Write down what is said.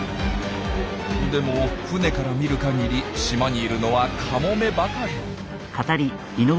でも船から見るかぎり島にいるのはカモメばかり。